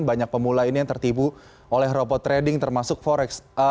banyak pemula ini yang tertipu oleh robot trading termasuk forex